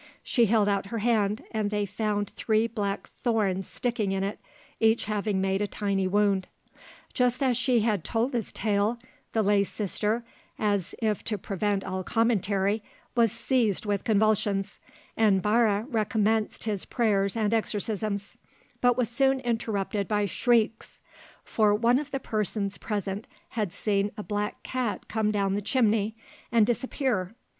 She held out her hand, and they found three black thorns sticking in it, each having made a tiny wound. Just as she had told this tale, the lay sister, as if to prevent all commentary, was seized with convulsions, and Barre recommenced his prayers and exorcisms, but was soon interrupted by shrieks; for one of the persons present had seen a black cat come down the chimney and disappear.